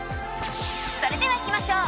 それではいきましょう。